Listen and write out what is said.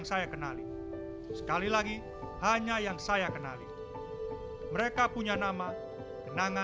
saya melacak nama namaan berjumlah keremasan yang saya kenali